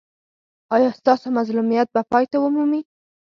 ایا ستاسو مظلومیت به پای ومومي؟